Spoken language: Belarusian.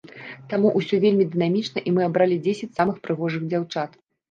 Таму ўсё вельмі дынамічна, і мы абралі дзесяць самых прыгожых дзяўчат.